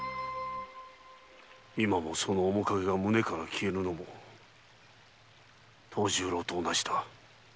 今もその面影が胸から消えぬのも藤十郎と同じだ。